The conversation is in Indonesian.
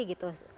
ada apa apa sih